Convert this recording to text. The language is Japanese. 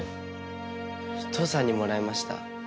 父さんにもらいました。